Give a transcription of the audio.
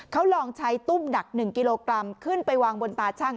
เขาลองใช้ตุ้มหนัก๑กิโลกรัมขึ้นไปวางบนตาชั่ง